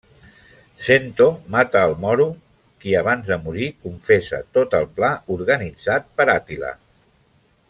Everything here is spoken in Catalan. Sento mata el Moro qui abans de morir confessa tot el pla organitzat per Àtila.